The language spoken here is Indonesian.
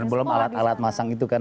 belum alat alat masang itu kan